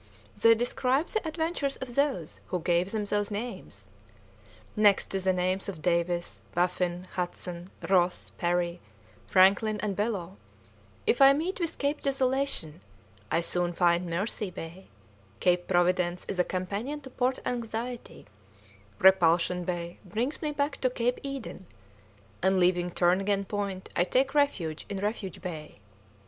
They describe the adventures of those who gave them those names. Next to the names of Davis, Baffin, Hudson, Ross, Parry, Franklin, and Bellot, if I meet with Cape Desolation I soon find Mercy Bay; Cape Providence is a companion to Port Anxiety; Repulsion Bay brings me back to Cape Eden, and leaving Turnagain Point I take refuge in Refuge Bay.